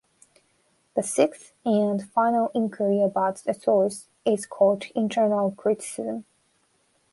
The sixth and final inquiry about a source is called internal criticism.